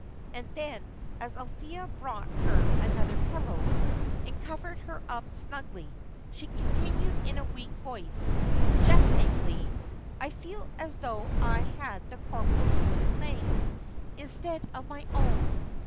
And then, as Althea brought her another pillow, and covered her up snugly, she continued in a weak voice, jestingly, "I feel as though I had the corporal's wooden legs, instead of my own.